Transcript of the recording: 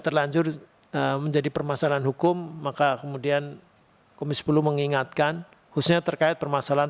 terlanjur menjadi permasalahan hukum maka kemudian komisi sepuluh mengingatkan khususnya terkait permasalahan